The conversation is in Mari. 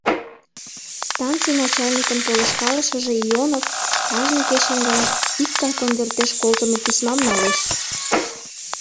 Станций начальникын полышкалышыже Ионов кажне кечын гаяк икгай конвертеш колтымо письмам налеш.